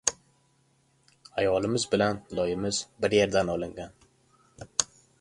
Ayolimiz bilan loyimiz bir yerdan olingan!